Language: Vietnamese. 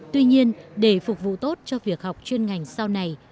tuy nhiên để phục vụ tốt cho việc học chuyên ngành sau này